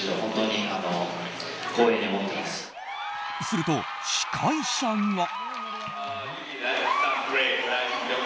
すると、司会者が。